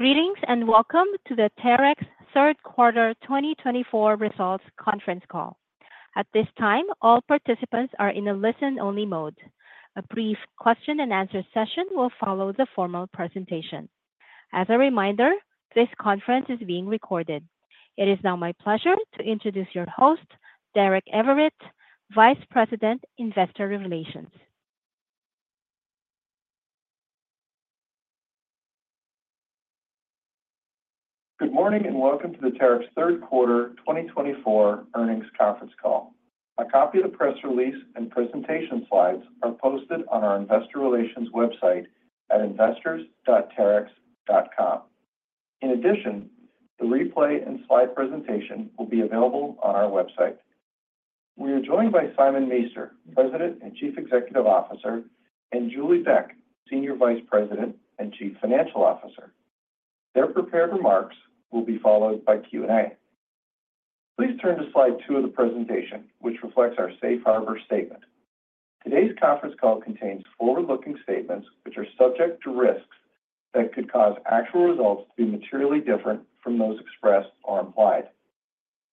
Greetings and welcome to the Terex third quarter 2024 results conference call. At this time, all participants are in a listen-only mode. A brief question-and-answer session will follow the formal presentation. As a reminder, this conference is being recorded. It is now my pleasure to introduce your host, Derek Everitt, Vice President, Investor Relations. Good morning and welcome to the Terex Third Quarter 2024 Earnings Conference Call. A copy of the press release and presentation slides are posted on our Investor Relations website at investors.terex.com. In addition, the replay and slide presentation will be available on our website. We are joined by Simon Meester, President and Chief Executive Officer, and Julie Beck, Senior Vice President and Chief Financial Officer. Their prepared remarks will be followed by Q&A. Please turn to slide two of the presentation, which reflects our Safe Harbor statement. Today's conference call contains forward-looking statements which are subject to risks that could cause actual results to be materially different from those expressed or implied.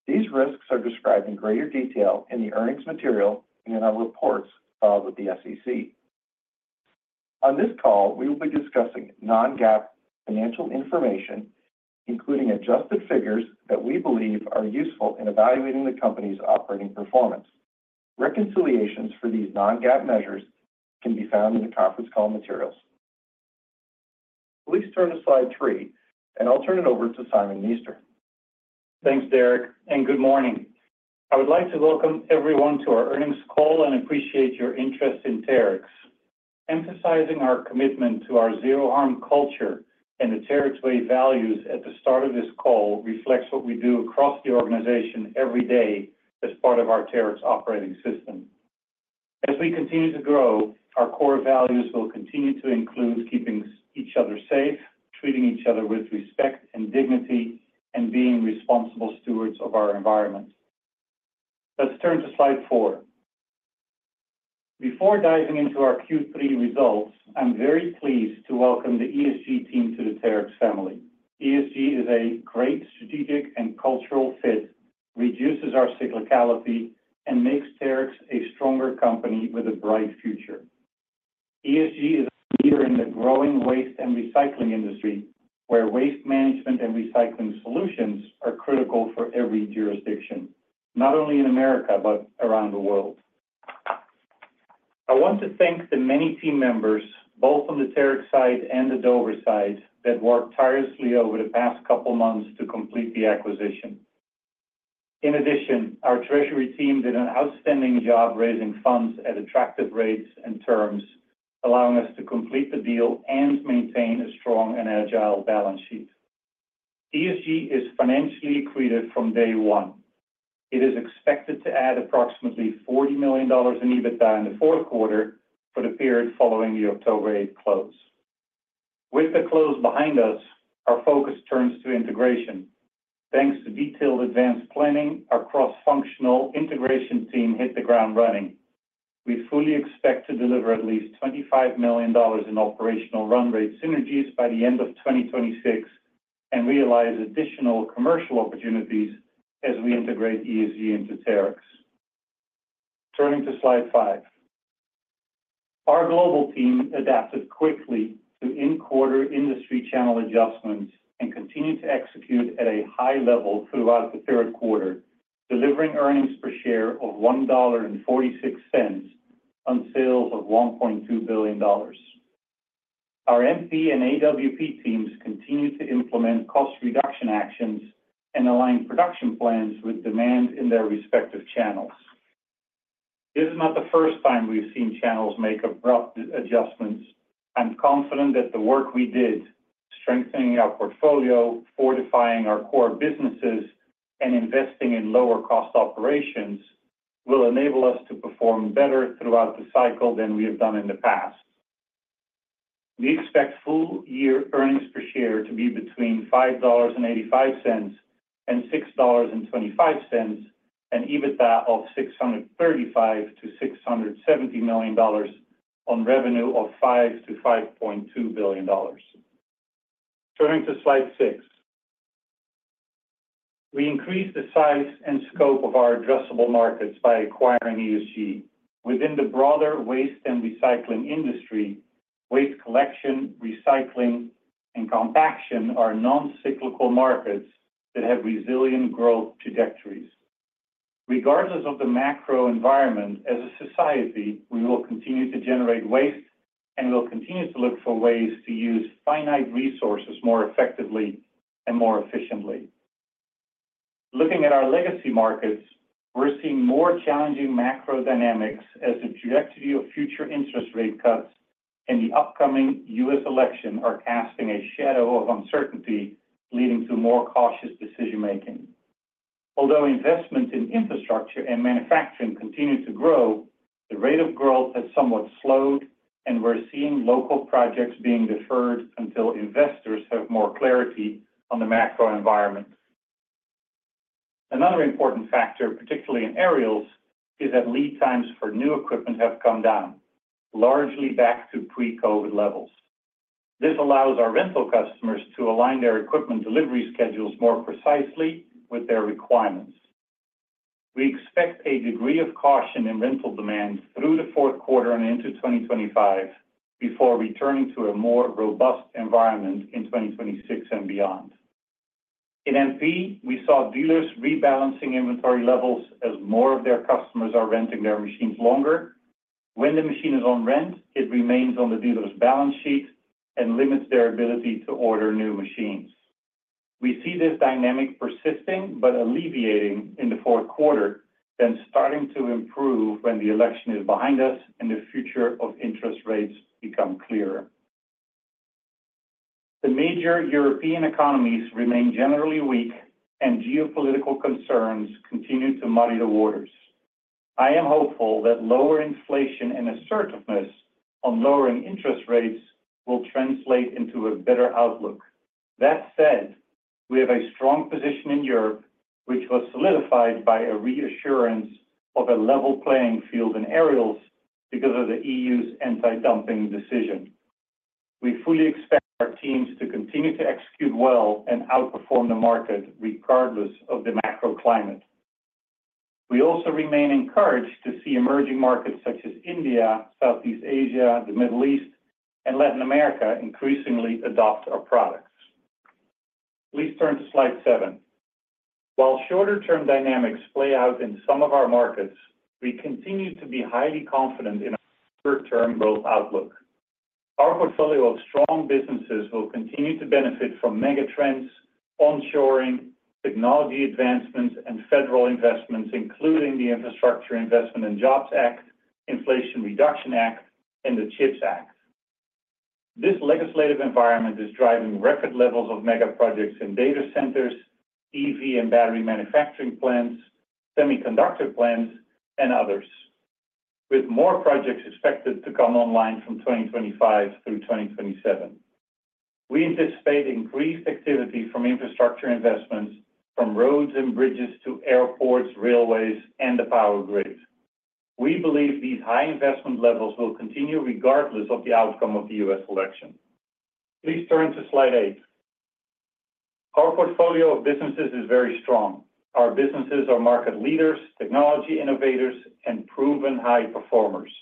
These risks are described in greater detail in the earnings material and in our reports filed with the SEC. On this call, we will be discussing non-GAAP financial information, including adjusted figures that we believe are useful in evaluating the company's operating performance. Reconciliations for these non-GAAP measures can be found in the conference call materials. Please turn to slide three, and I'll turn it over to Simon Meester. Thanks, Derek, and good morning. I would like to welcome everyone to our earnings call and appreciate your interest in Terex. Emphasizing our commitment to our zero-harm culture and the Terex Way values at the start of this call reflects what we do across the organization every day as part of our Terex Operating System. As we continue to grow, our core values will continue to include keeping each other safe, treating each other with respect and dignity, and being responsible stewards of our environment. Let's turn to slide four. Before diving into our Q3 results, I'm very pleased to welcome the ESG team to the Terex family. ESG is a great strategic and cultural fit, reduces our cyclicality, and makes Terex a stronger company with a bright future. ESG is a leader in the growing waste and recycling industry, where waste management and recycling solutions are critical for every jurisdiction, not only in America but around the world. I want to thank the many team members, both on the Terex side and the Dover side, that worked tirelessly over the past couple of months to complete the acquisition. In addition, our Treasury team did an outstanding job raising funds at attractive rates and terms, allowing us to complete the deal and maintain a strong and agile balance sheet. ESG is financially accretive from day one. It is expected to add approximately $40 million in EBITDA in the fourth quarter for the period following the October 8 close. With the close behind us, our focus turns to integration. Thanks to detailed advanced planning, our cross-functional integration team hit the ground running. We fully expect to deliver at least $25 million in operational run rate synergies by the end of 2026 and realize additional commercial opportunities as we integrate ESG into Terex. Turning to slide five. Our global team adapted quickly to in-quarter industry channel adjustments and continued to execute at a high level throughout the third quarter, delivering earnings per share of $1.46 on sales of $1.2 billion. Our MP and AWP teams continued to implement cost reduction actions and align production plans with demand in their respective channels. This is not the first time we've seen channels make abrupt adjustments. I'm confident that the work we did, strengthening our portfolio, fortifying our core businesses, and investing in lower-cost operations, will enable us to perform better throughout the cycle than we have done in the past. We expect full-year earnings per share to be between $5.85 and $6.25 and EBITDA of $635 million-$670 million on revenue of $5 billion-$5.2 billion. Turning to slide six. We increased the size and scope of our addressable markets by acquiring ESG. Within the broader waste and recycling industry, waste collection, recycling, and compaction are non-cyclical markets that have resilient growth trajectories. Regardless of the macro environment, as a society, we will continue to generate waste and will continue to look for ways to use finite resources more effectively and more efficiently. Looking at our legacy markets, we're seeing more challenging macro dynamics as the trajectory of future interest rate cuts and the upcoming U.S. election are casting a shadow of uncertainty, leading to more cautious decision-making. Although investments in infrastructure and manufacturing continue to grow, the rate of growth has somewhat slowed, and we're seeing local projects being deferred until investors have more clarity on the macro environment. Another important factor, particularly in aerials, is that lead times for new equipment have come down, largely back to pre-COVID levels. This allows our rental customers to align their equipment delivery schedules more precisely with their requirements. We expect a degree of caution in rental demand through the fourth quarter and into 2025 before returning to a more robust environment in 2026 and beyond. In MP, we saw dealers rebalancing inventory levels as more of their customers are renting their machines longer. When the machine is on rent, it remains on the dealer's balance sheet and limits their ability to order new machines. We see this dynamic persisting but alleviating in the fourth quarter, then starting to improve when the election is behind us and the future of interest rates becomes clearer. The major European economies remain generally weak, and geopolitical concerns continue to muddy the waters. I am hopeful that lower inflation and assertiveness on lowering interest rates will translate into a better outlook. That said, we have a strong position in Europe, which was solidified by a reassurance of a level playing field in aerials because of the EU's anti-dumping decision. We fully expect our teams to continue to execute well and outperform the market regardless of the macro climate. We also remain encouraged to see emerging markets such as India, Southeast Asia, the Middle East, and Latin America increasingly adopt our products. Please turn to slide seven. While shorter-term dynamics play out in some of our markets, we continue to be highly confident in our short-term growth outlook. Our portfolio of strong businesses will continue to benefit from megatrends, onshoring, technology advancements, and federal investments, including the Infrastructure Investment and Jobs Act, Inflation Reduction Act, and the CHIPS Act. This legislative environment is driving record levels of mega projects in data centers, EV and battery manufacturing plants, semiconductor plants, and others, with more projects expected to come online from 2025 through 2027. We anticipate increased activity from infrastructure investments, from roads and bridges to airports, railways, and the power grid. We believe these high investment levels will continue regardless of the outcome of the U.S. election. Please turn to slide 8. Our portfolio of businesses is very strong. Our businesses are market leaders, technology innovators, and proven high performers.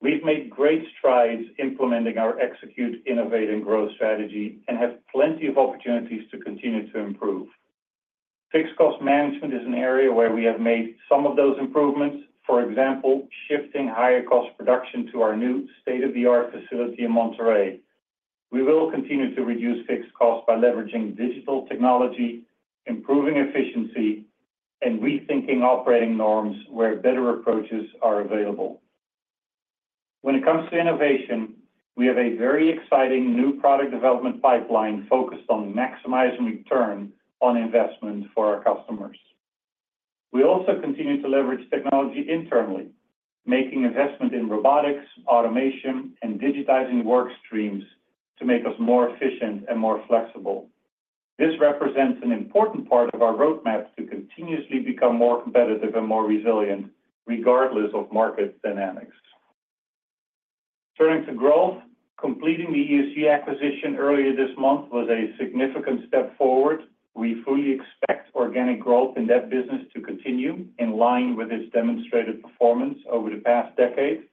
We've made great strides implementing our Execute, Innovate, and Grow strategy and have plenty of opportunities to continue to improve. Fixed cost management is an area where we have made some of those improvements, for example, shifting higher-cost production to our new state-of-the-art facility in Monterrey. We will continue to reduce fixed costs by leveraging digital technology, improving efficiency, and rethinking operating norms where better approaches are available. When it comes to innovation, we have a very exciting new product development pipeline focused on maximizing return on investment for our customers. We also continue to leverage technology internally, making investment in robotics, automation, and digitizing work streams to make us more efficient and more flexible. This represents an important part of our roadmap to continuously become more competitive and more resilient, regardless of market dynamics. Turning to growth, completing the ESG acquisition earlier this month was a significant step forward. We fully expect organic growth in that business to continue in line with its demonstrated performance over the past decade.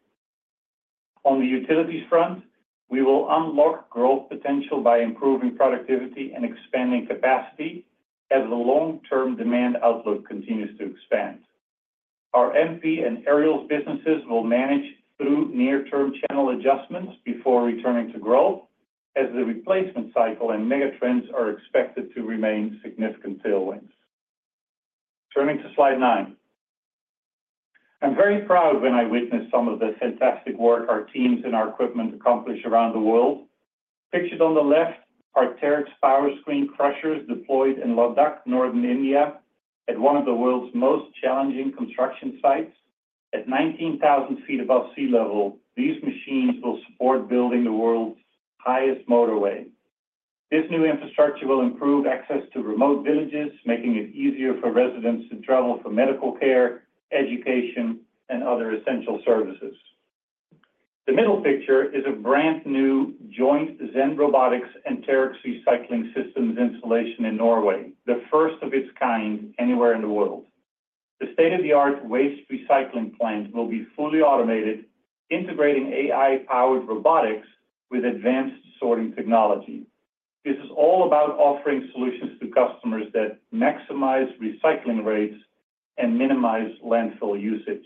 On the utilities front, we will unlock growth potential by improving productivity and expanding capacity as the long-term demand outlook continues to expand. Our MP and aerials businesses will manage through near-term channel adjustments before returning to growth, as the replacement cycle and megatrends are expected to remain significant tailwinds. Turning to slide nine. I'm very proud when I witness some of the fantastic work our teams and our equipment accomplish around the world. Pictured on the left are Terex Powerscreen crushers deployed in Ladakh, Northern India, at one of the world's most challenging construction sites. At 19,000 feet above sea level, these machines will support building the world's highest motorway. This new infrastructure will improve access to remote villages, making it easier for residents to travel for medical care, education, and other essential services. The middle picture is a brand-new joint ZenRobotics and Terex Recycling Systems installation in Norway, the first of its kind anywhere in the world. The state-of-the-art waste recycling plant will be fully automated, integrating AI-powered robotics with advanced sorting technology. This is all about offering solutions to customers that maximize recycling rates and minimize landfill usage.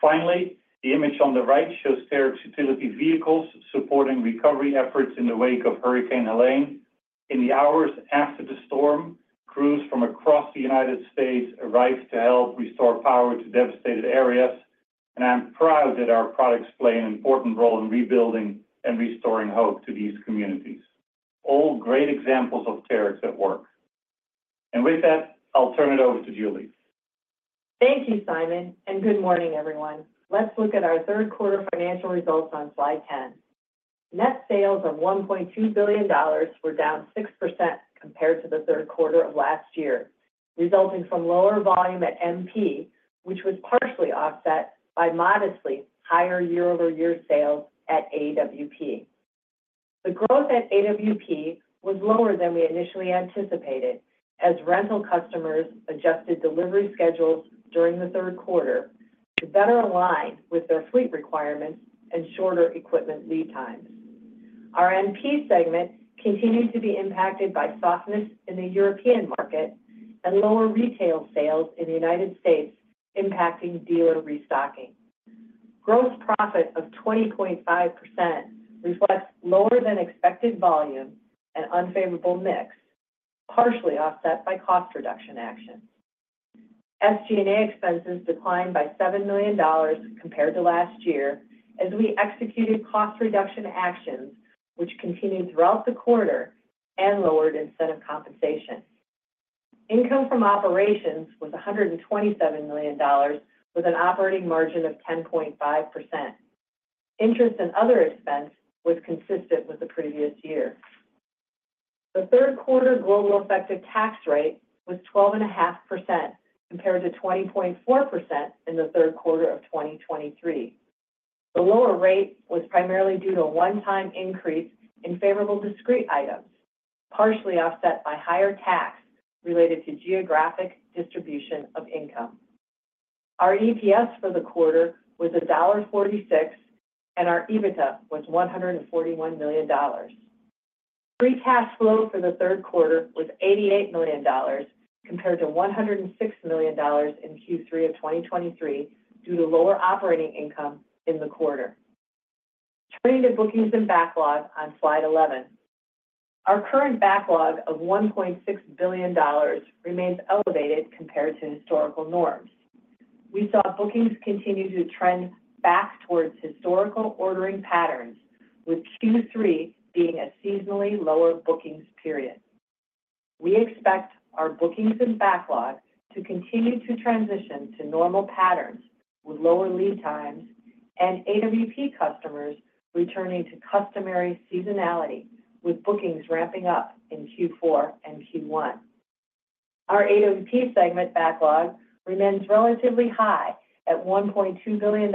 Finally, the image on the right shows Terex utility vehicles supporting recovery efforts in the wake of Hurricane Helene. In the hours after the storm, crews from across the United States arrived to help restore power to devastated areas, and I'm proud that our products play an important role in rebuilding and restoring hope to these communities. All great examples of Terex at work. With that, I'll turn it over to Julie. Thank you, Simon, and good morning, everyone. Let's look at our third quarter financial results on slide 10. Net sales of $1.2 billion were down 6% compared to the third quarter of last year, resulting from lower volume at MP, which was partially offset by modestly higher year-over-year sales at AWP. The growth at AWP was lower than we initially anticipated, as rental customers adjusted delivery schedules during the third quarter to better align with their fleet requirements and shorter equipment lead times. Our MP segment continued to be impacted by softness in the European market and lower retail sales in the United States, impacting dealer restocking. Gross profit of 20.5% reflects lower-than-expected volume and unfavorable mix, partially offset by cost reduction actions. SG&A expenses declined by $7 million compared to last year as we executed cost reduction actions, which continued throughout the quarter and lowered incentive compensation. Income from operations was $127 million, with an operating margin of 10.5%. Interest and other expense was consistent with the previous year. The third quarter global effective tax rate was 12.5% compared to 20.4% in the third quarter of 2023. The lower rate was primarily due to a one-time increase in favorable discrete items, partially offset by higher tax related to geographic distribution of income. Our EPS for the quarter was $1.46, and our EBITDA was $141 million. Free cash flow for the third quarter was $88 million compared to $106 million in Q3 of 2023 due to lower operating income in the quarter. Turning to bookings and backlog on slide 11. Our current backlog of $1.6 billion remains elevated compared to historical norms. We saw bookings continue to trend back towards historical ordering patterns, with Q3 being a seasonally lower bookings period. We expect our bookings and backlog to continue to transition to normal patterns with lower lead times and AWP customers returning to customary seasonality, with bookings ramping up in Q4 and Q1. Our AWP segment backlog remains relatively high at $1.2 billion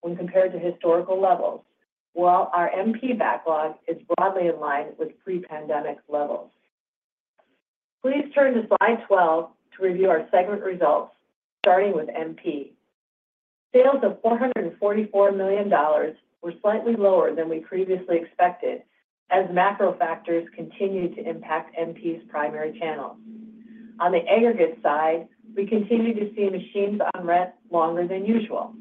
when compared to historical levels, while our MP backlog is broadly in line with pre-pandemic levels. Please turn to slide 12 to review our segment results, starting with MP. Sales of $444 million were slightly lower than we previously expected, as macro factors continue to impact MP's primary channels. On the aggregate side, we continue to see machines on rent longer than usual.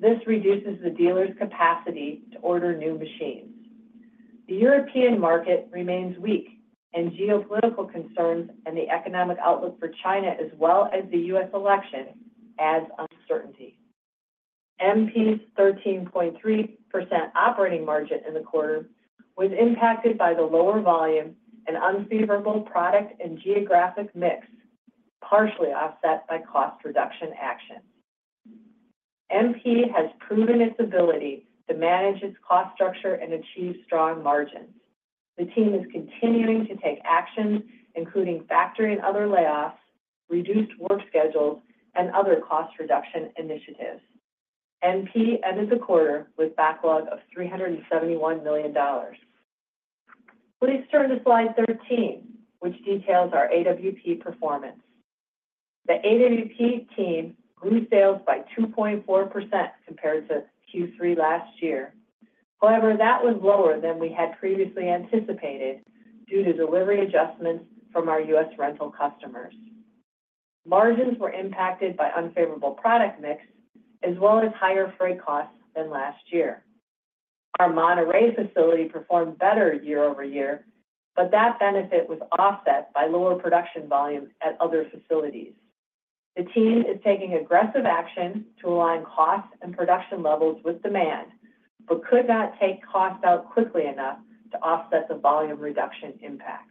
This reduces the dealer's capacity to order new machines. The European market remains weak, and geopolitical concerns and the economic outlook for China, as well as the U.S. election, add uncertainty. MP's 13.3% operating margin in the quarter was impacted by the lower volume and unfavorable product and geographic mix, partially offset by cost reduction actions. MP has proven its ability to manage its cost structure and achieve strong margins. The team is continuing to take actions, including factory and other layoffs, reduced work schedules, and other cost reduction initiatives. MP ended the quarter with a backlog of $371 million. Please turn to slide 13, which details our AWP performance. The AWP team grew sales by 2.4% compared to Q3 last year. However, that was lower than we had previously anticipated due to delivery adjustments from our U.S. rental customers. Margins were impacted by unfavorable product mix, as well as higher freight costs than last year. Our Monterrey facility performed better year-over-year, but that benefit was offset by lower production volume at other facilities. The team is taking aggressive action to align costs and production levels with demand, but could not take costs out quickly enough to offset the volume reduction impact.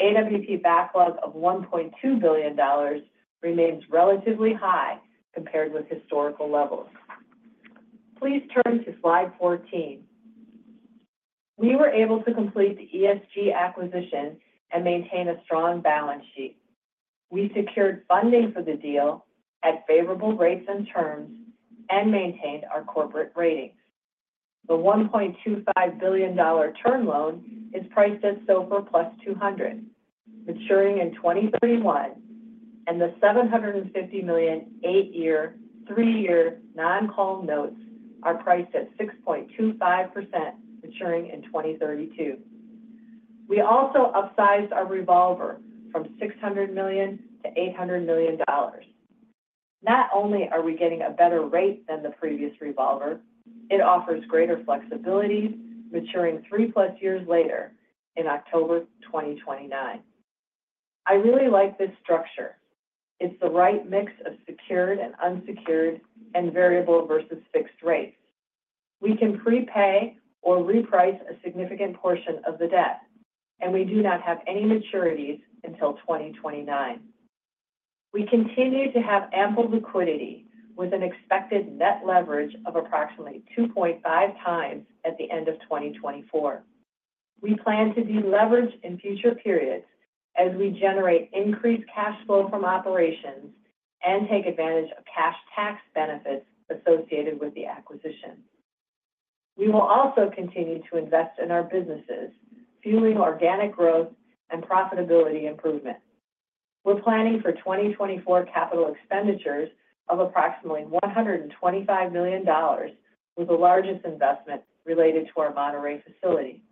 AWP backlog of $1.2 billion remains relatively high compared with historical levels. Please turn to slide 14. We were able to complete the ESG acquisition and maintain a strong balance sheet. We secured funding for the deal at favorable rates and terms and maintained our corporate ratings. The $1.25 billion term loan is priced at SOFR Plus 200, maturing in 2031, and the $750 million eight-year, three-year non-call notes are priced at 6.25%, maturing in 2032. We also upsized our revolver from $600 million to $800 million. Not only are we getting a better rate than the previous revolver, it offers greater flexibility, maturing 3+ years later in October 2029. I really like this structure. It's the right mix of secured and unsecured and variable versus fixed rates. We can prepay or reprice a significant portion of the debt, and we do not have any maturities until 2029. We continue to have ample liquidity, with an expected net leverage of approximately 2.5x at the end of 2024. We plan to deleverage in future periods as we generate increased cash flow from operations and take advantage of cash tax benefits associated with the acquisition. We will also continue to invest in our businesses, fueling organic growth and profitability improvement. We're planning for 2024 capital expenditures of approximately $125 million, with the largest investment related to our Monterrey facility.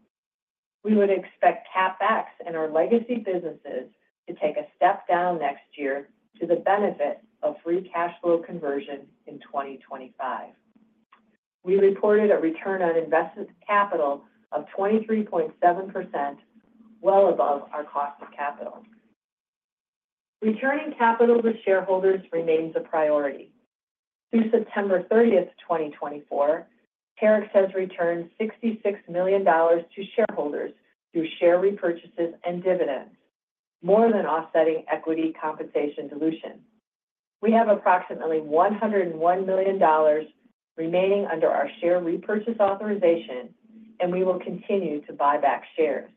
We would expect CapEx and our legacy businesses to take a step down next year to the benefit of free cash flow conversion in 2025. We reported a Return on Invested Capital of 23.7%, well above our cost of capital. Returning capital to shareholders remains a priority. Through September 30th, 2024, Terex has returned $66 million to shareholders through share repurchases and dividends, more than offsetting equity compensation dilution. We have approximately $101 million remaining under our share repurchase authorization, and we will continue to buy back shares.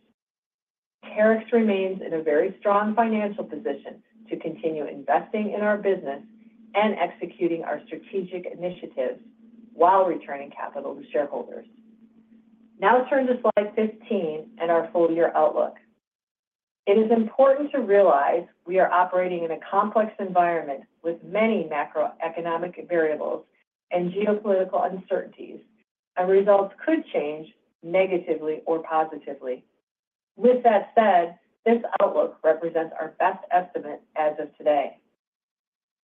Terex remains in a very strong financial position to continue investing in our business and executing our strategic initiatives while returning capital to shareholders. Now turn to slide 15 and our full-year outlook. It is important to realize we are operating in a complex environment with many macroeconomic variables and geopolitical uncertainties, and results could change negatively or positively. With that said, this outlook represents our best estimate as of today.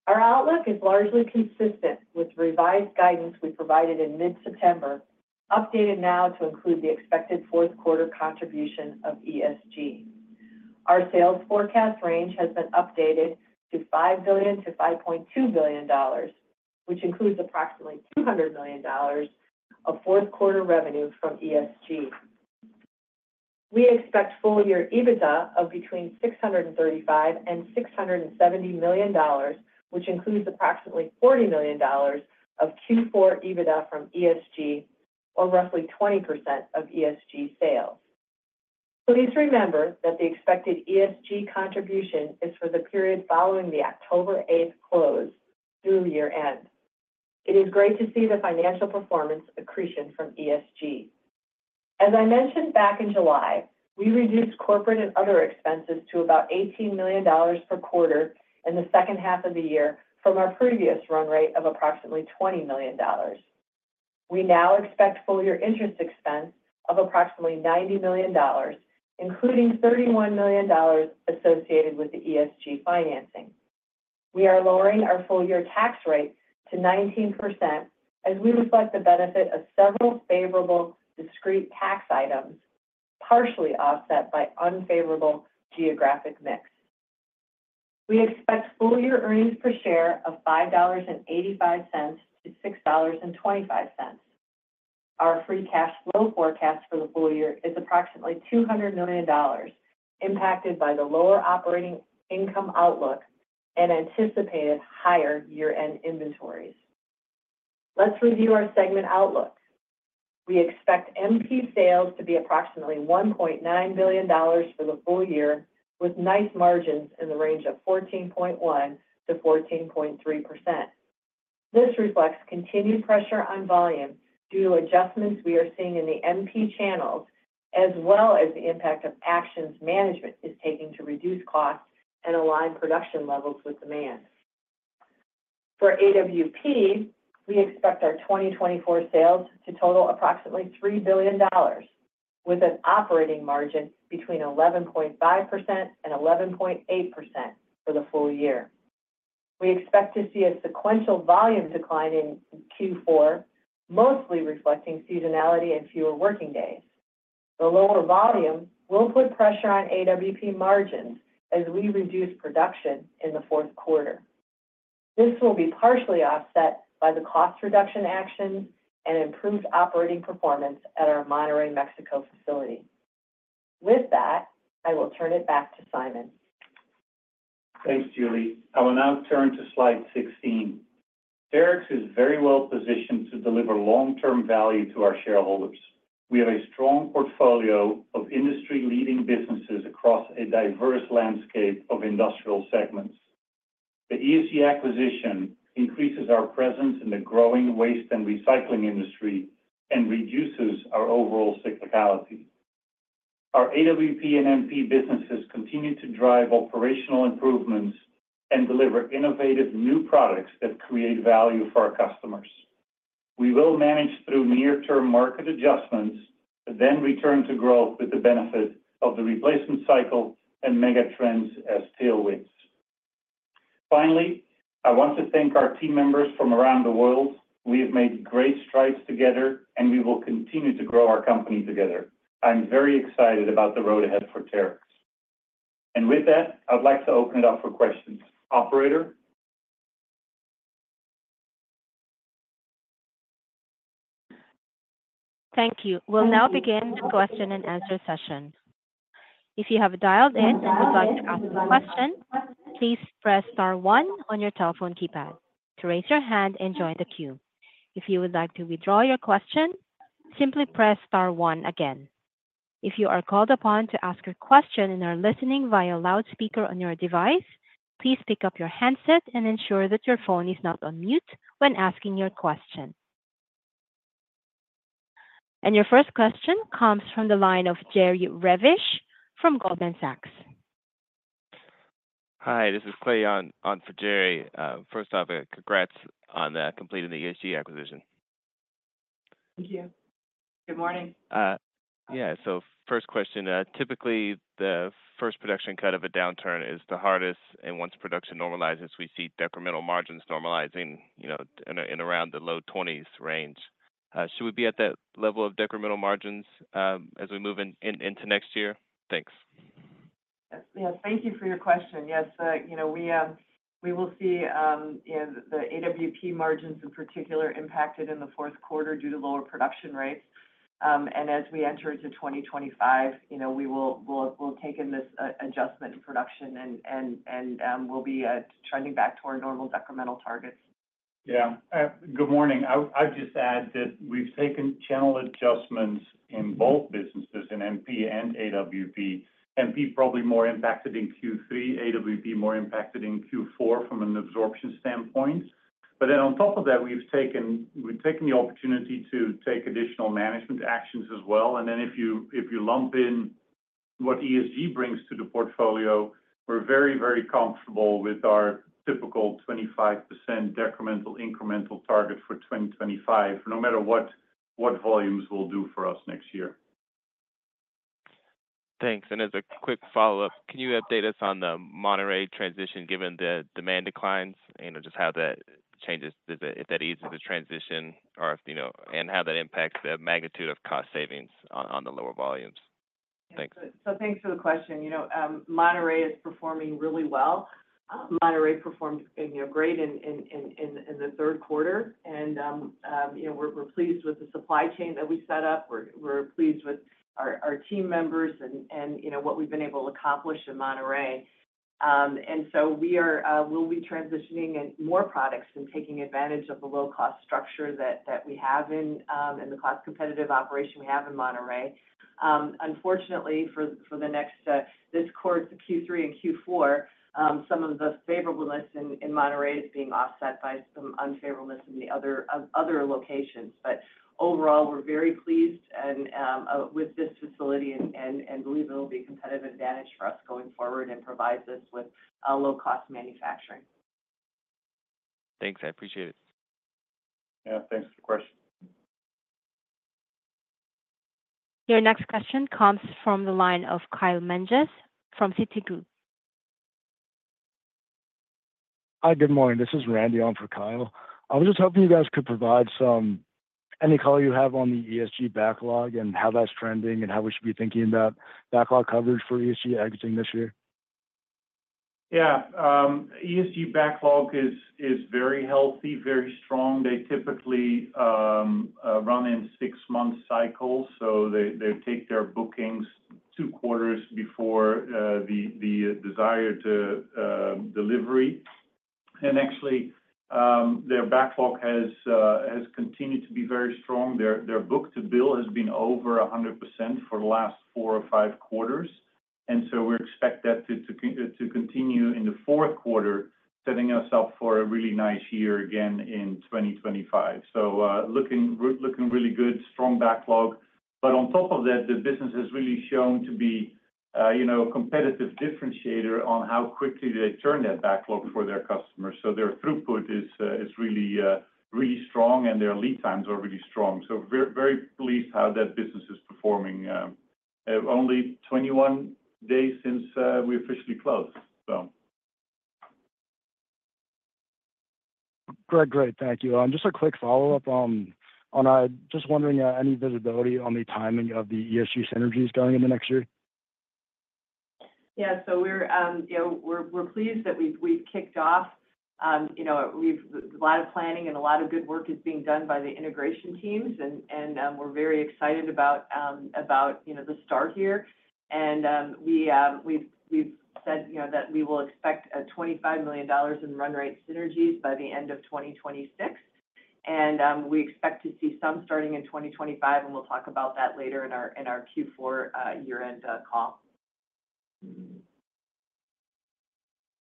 Our outlook is largely consistent with revised guidance we provided in mid-September, updated now to include the expected Q4 contribution of ESG. Our sales forecast range has been updated to $5 billion-$5.2 billion, which includes approximately $200 million of Q4 revenue from ESG. We expect full-year EBITDA of between $635 million and $670 million, which includes approximately $40 million of Q4 EBITDA from ESG, or roughly 20% of ESG sales. Please remember that the expected ESG contribution is for the period following the October 8th close, through year-end. It is great to see the financial performance accretion from ESG. As I mentioned back in July, we reduced corporate and other expenses to about $18 million per quarter in the second half of the year from our previous run rate of approximately $20 million. We now expect full-year interest expense of approximately $90 million, including $31 million associated with the ESG financing. We are lowering our full-year tax rate to 19% as we reflect the benefit of several favorable discrete tax items, partially offset by unfavorable geographic mix. We expect full-year earnings per share of $5.85-$6.25. Our free cash flow forecast for the full year is approximately $200 million, impacted by the lower operating income outlook and anticipated higher year-end inventories. Let's review our segment outlook. We expect MP sales to be approximately $1.9 billion for the full year, with nice margins in the range of 14.1%-14.3%. This reflects continued pressure on volume due to adjustments we are seeing in the MP channels, as well as the impact of actions management is taking to reduce costs and align production levels with demand. For AWP, we expect our 2024 sales to total approximately $3 billion, with an operating margin between 11.5% and 11.8% for the full year. We expect to see a sequential volume decline in Q4, mostly reflecting seasonality and fewer working days. The lower volume will put pressure on AWP margins as we reduce production in the Q4. This will be partially offset by the cost reduction actions and improved operating performance at our Monterrey, Mexico facility. With that, I will turn it back to Simon. Thanks, Julie. I will now turn to slide 16. Terex is very well positioned to deliver long-term value to our shareholders. We have a strong portfolio of industry-leading businesses across a diverse landscape of industrial segments. The ESG acquisition increases our presence in the growing waste and recycling industry and reduces our overall cyclicality. Our AWP and MP businesses continue to drive operational improvements and deliver innovative new products that create value for our customers. We will manage through near-term market adjustments, then return to growth with the benefit of the replacement cycle and megatrends as tailwinds. Finally, I want to thank our team members from around the world. We have made great strides together, and we will continue to grow our company together. I'm very excited about the road ahead for Terex. And with that, I'd like to open it up for questions. Operator? Thank you. We'll now begin the question-and-answer session. If you have dialed in and would like to ask a question, please press star one on your telephone keypad to raise your hand and join the queue. If you would like to withdraw your question, simply press star one again. If you are called upon to ask a question and are listening via loudspeaker on your device, please pick up your handset and ensure that your phone is not on mute when asking your question. Your first question comes from the line of Jerry Revich from Goldman Sachs. Hi, this is Clay on for Jerry. First off, congrats on completing the ESG acquisition. Thank you. Good morning. Yeah, so first question. Typically, the first production cut of a downturn is the hardest, and once production normalizes, we see decremental margins normalizing in around the low 20s range. Should we be at that level of decremental margins as we move into next year? Thanks. Yes, thank you for your question. Yes, we will see the AWP margins in particular impacted in the Q4 due to lower production rates. As we enter into 2025, we will take in this adjustment in production, and we'll be trending back to our normal decremental targets. Yeah, good morning. I'd just add that we've taken channel adjustments in both businesses, in MP and AWP. MP probably more impacted in Q3, AWP more impacted in Q4 from an absorption standpoint. But then on top of that, we've taken the opportunity to take additional management actions as well. And then if you lump in what ESG brings to the portfolio, we're very, very comfortable with our typical 25% decremental-incremental target for 2025, no matter what volumes will do for us next year. Thanks. And as a quick follow-up, can you update us on the Monterrey transition, given the demand declines and just how that changes, if that eases the transition, and how that impacts the magnitude of cost savings on the lower volumes? Thanks. Thanks for the question. Monterrey is performing really well. Monterrey performed great in the third quarter, and we're pleased with the supply chain that we set up. We're pleased with our team members and what we've been able to accomplish in Monterrey. And so we will be transitioning more products and taking advantage of the low-cost structure that we have in the cost-competitive operation we have in Monterrey. Unfortunately, for this quarter, Q3 and Q4, some of the favorableness in Monterrey is being offset by some unfavorableness in the other locations. But overall, we're very pleased with this facility and believe it'll be a competitive advantage for us going forward and provides us with low-cost manufacturing. Thanks. I appreciate it. Yeah, thanks for the question. Your next question comes from the line of Kyle Menges from Citigroup. Hi, good morning. This is Randy on for Kyle. I was just hoping you guys could provide any color you have on the ESG backlog and how that's trending and how we should be thinking about backlog coverage for ESG exiting this year. Yeah, ESG backlog is very healthy, very strong. They typically run in six-month cycles, so they take their bookings two quarters before the desired delivery. Actually, their backlog has continued to be very strong. Their book-to-bill has been over 100% for the last four or five quarters. So we expect that to continue in the fourth quarter, setting us up for a really nice year again in 2025. Looking really good, strong backlog. On top of that, the business has really shown to be a competitive differentiator on how quickly they turn that backlog for their customers. Their throughput is really strong, and their lead times are really strong. So, very pleased how that business is performing. Only 21 days since we officially closed, so. Great, great. Thank you. Just a quick follow-up. I'm just wondering any visibility on the timing of the ESG synergies going into next year? Yeah, so we're pleased that we've kicked off. A lot of planning and a lot of good work is being done by the integration teams, and we're very excited about the start here. And we've said that we will expect $25 million in run rate synergies by the end of 2026. And we expect to see some starting in 2025, and we'll talk about that later in our Q4 year-end call.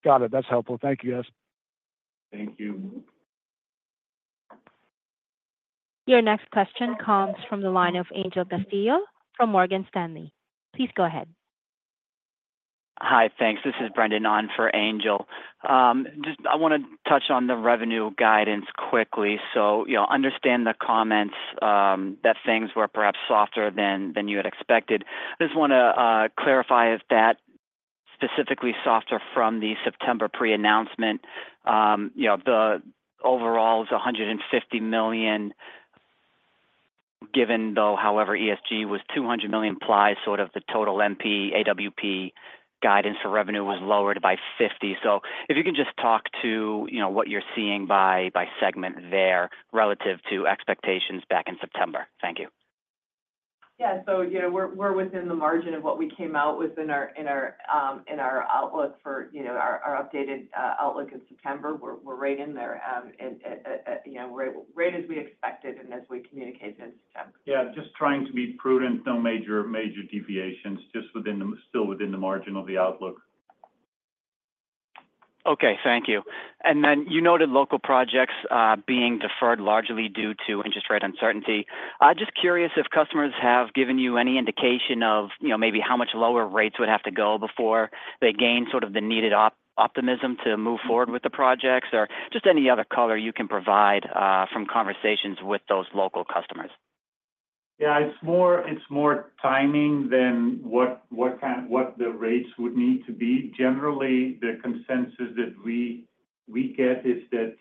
Got it. That's helpful. Thank you, guys. Thank you. Your next question comes from the line of Angel Castillo from Morgan Stanley. Please go ahead. Hi, thanks. This is Brendan on for Angel. I want to touch on the revenue guidance quickly. So understand the comments that things were perhaps softer than you had expected. I just want to clarify if that specifically softer from the September pre-announcement. The overall is $150 million, given though, however, ESG was $200 million implies sort of the total MP AWP guidance for revenue was lowered by $50 million. So if you can just talk to what you're seeing by segment there relative to expectations back in September. Thank you. Yeah, so we're within the margin of what we came out with in our outlook for our updated outlook in September. We're right in there, right as we expected and as we communicated in September. Yeah, just trying to be prudent, no major deviations, just still within the margin of the outlook. Okay, thank you. And then you noted local projects being deferred largely due to interest rate uncertainty. Just curious if customers have given you any indication of maybe how much lower rates would have to go before they gain sort of the needed optimism to move forward with the projects, or just any other color you can provide from conversations with those local customers? Yeah, it's more timing than what the rates would need to be. Generally, the consensus that we get is that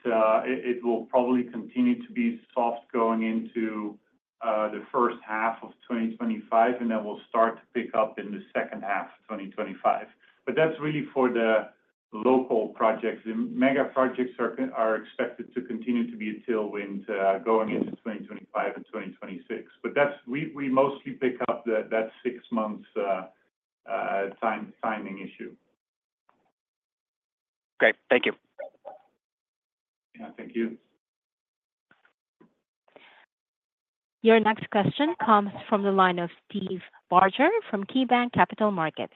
it will probably continue to be soft going into the first half of 2025, and then we'll start to pick up in the second half of 2025. But that's really for the local projects. The mega projects are expected to continue to be a tailwind going into 2025 and 2026. But we mostly pick up that six-month timing issue. Great, thank you. Yeah, thank you. Your next question comes from the line of Steve Barger from KeyBanc Capital Markets.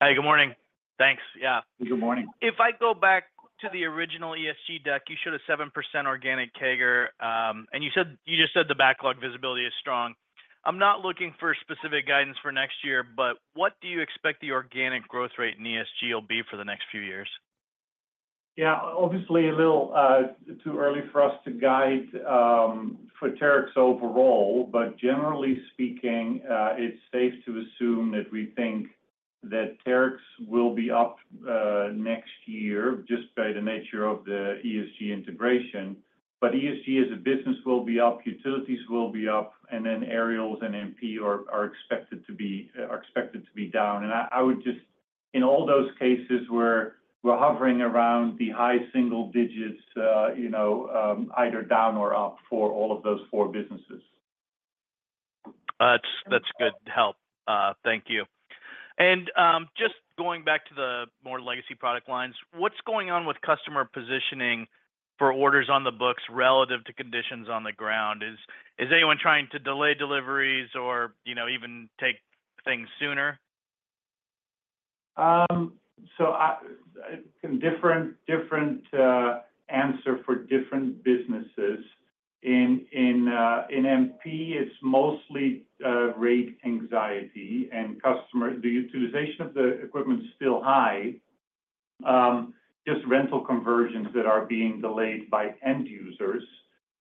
Please go ahead. Hi, good morning. Thanks. Yeah. Good morning. If I go back to the original ESG deck, you showed a 7% organic CAGR, and you just said the backlog visibility is strong. I'm not looking for specific guidance for next year, but what do you expect the organic growth rate in ESG will be for the next few years? Yeah, obviously, a little too early for us to guide for Terex overall, but generally speaking, it's safe to assume that we think that Terex will be up next year just by the nature of the ESG integration. But ESG as a business will be up, utilities will be up, and then aerials and MP are expected to be down. I would just, in all those cases where we're hovering around the high single digits, either down or up for all of those four businesses. That's good help. Thank you. Just going back to the more legacy product lines, what's going on with customer positioning for orders on the books relative to conditions on the ground? Is anyone trying to delay deliveries or even take things sooner? It's a different answer for different businesses. In MP, it's mostly rate anxiety, and the utilization of the equipment is still high, just rental conversions that are being delayed by end users.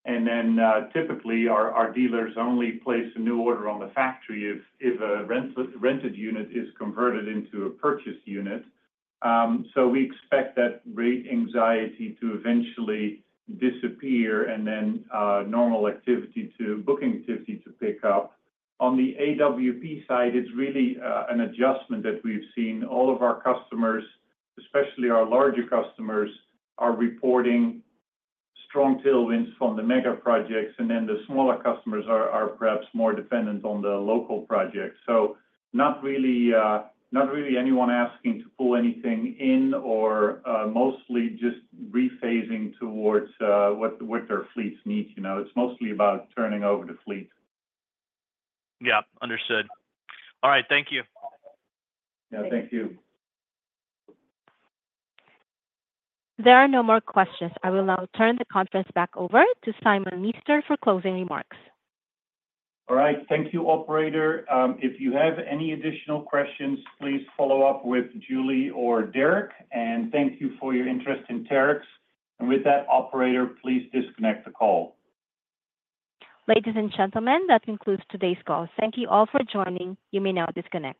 Then typically, our dealers only place a new order on the factory if a rented unit is converted into a purchased unit. We expect that rate anxiety to eventually disappear and then normal booking activity to pick up. On the AWP side, it's really an adjustment that we've seen. All of our customers, especially our larger customers, are reporting strong tailwinds from the mega projects, and then the smaller customers are perhaps more dependent on the local projects. So not really anyone asking to pull anything in or mostly just rephasing towards what their fleets need. It's mostly about turning over the fleet. Yeah, understood. All right, thank you. Yeah, thank you. There are no more questions. I will now turn the conference back over to Simon Meester for closing remarks. All right, thank you, Operator. If you have any additional questions, please follow up with Julie or Derek, and thank you for your interest in Terex. And with that, Operator, please disconnect the call. Ladies and gentlemen, that concludes today's call. Thank you all for joining. You may now disconnect.